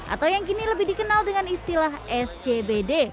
atau yang kini lebih dikenal dengan istilah scbd